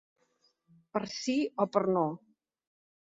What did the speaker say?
Per sí o per no.